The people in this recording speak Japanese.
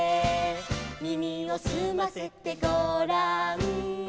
「耳をすませてごらん」